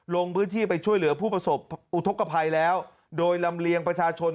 ลงพื้นที่ไปช่วยเหลือผู้ประสบอุทธกภัยแล้วโดยลำเลียงประชาชน